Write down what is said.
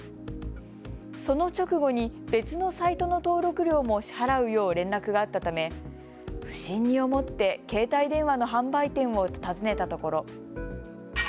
その直後に別のサイトの登録料も支払うよう連絡があったため不審に思って携帯電話の販売店を訪ねたところ。